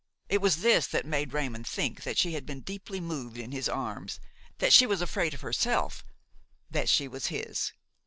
It was this that made Raymon think that she had been deeply moved in his arms–that she was afraid of herself–that she was his.